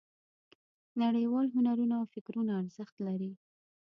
نړیوال هنرونه او فکرونه ارزښت لري.